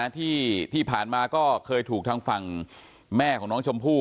ที่ผ่านมาก็เคยถูกทางฝั่งแม่ของน้องชมพู่